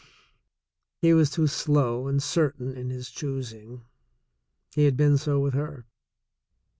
He was too slow and certain in his choosing — he had been so with her.